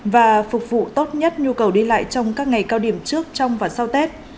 và phục vụ tốt nhất nhu cầu đi lại trong các ngày cao điểm trước trong và sau tết